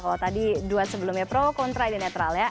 kalau tadi dua sebelumnya pro kontra ini netral ya